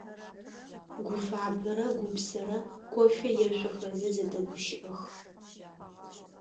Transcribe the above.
Гуфабэрэ Гупсэрэ кофе ешъохэзэ зэдэгущыӀэх.